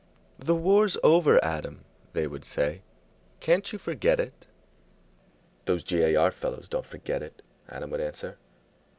"The war's over, Adam," they would say. "Can't you forget it?" "Those G.A.R. fellows don't forget it," Adam would answer.